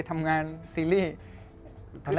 ตอนแรกยาวกว่านี้แล้วเพิ่งตัดได้๒อาทิตย์มั้งค่ะ